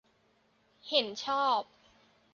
เห็นชอบ